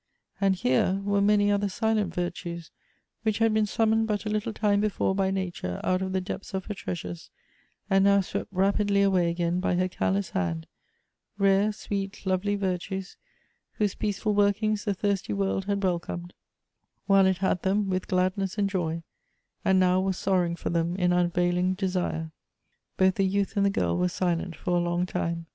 And here were many other silent virtues, which had been sum moned but a little time before by nature out of the depths of her treasures, and now swept rapidly away again by her careless hand — rare, sweet, lovely virtues, whose peaceful workings the thirsty world had welcomed, while it had them, with gladness and joy ; and now was sorrow ing for them in unavailing desire. Both the youth and the girl were silent for a long time.